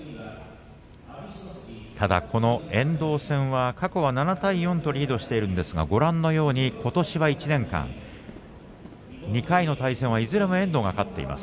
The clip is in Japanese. ただこの遠藤戦では過去７対４でリードしているんですがことしは１年間２回の対戦、いずれも遠藤が勝っています。